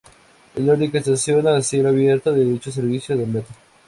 Es la única estación a cielo abierto de dicho servicio de metro.